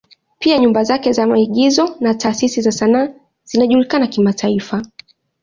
Pia nyumba zake za maigizo na taasisi za sanaa zinajulikana kimataifa.